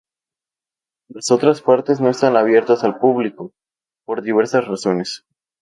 Las otras partes no están abiertos al público, por diversas razones.